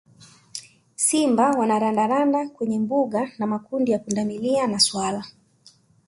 Simba wana randaranda kwenye mbuga na makundi ya pundamilia na swala